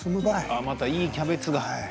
あまたいいキャベツが。